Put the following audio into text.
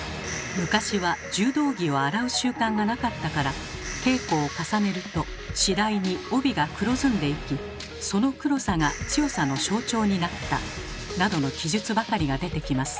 昔は柔道着を洗う習慣がなかったから稽古を重ねると次第に帯が黒ずんでいきその黒さが強さの象徴になったなどの記述ばかりが出てきます。